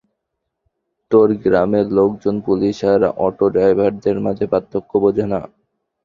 তোর গ্রামের লোকজন পুলিশ আর অটো ড্রাইভারের মাঝে পার্থক্য বোঝে না?